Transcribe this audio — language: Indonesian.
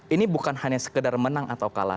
ini bukan hanya sekedar menang atau kalah